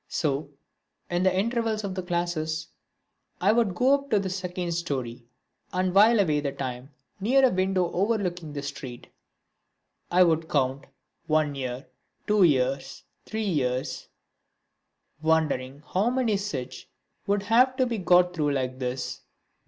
So, in the intervals of the classes, I would go up to the second storey and while away the time sitting near a window overlooking the street. I would count: one year two years three years ; wondering how many such would have to be got through like this.